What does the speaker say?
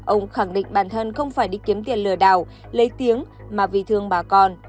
ông khẳng định bản thân không phải đi kiếm tiền lừa đảo lấy tiếng mà vì thương bà con